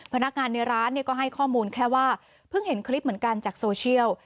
พนักงานในร้านก็ให้ข้อมูลแค่ว่าเพิ่งเห็นคลิปเหมือนกันจากโซเชียล